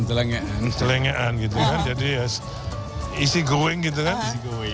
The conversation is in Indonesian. celenge an gitu kan jadi ya easy going gitu kan ya pak pratik